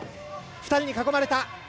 ２人に囲まれた。